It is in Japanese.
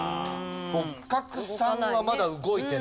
六角さんはまだ動いてないですね。